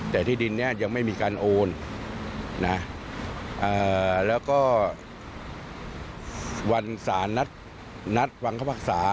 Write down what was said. แต่ที่ดินนี้ยังไม่มีการโอนนะแล้วก็วันสารนัดฟังคำภาษา